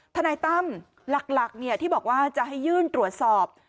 ทนายตั้มหลักที่บอกว่าจะให้ยื่นตรวจสอบ